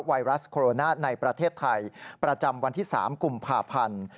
ไวรัสโคโรนาในประเทศไทยประจำวันที่๓กุมภาพันธ์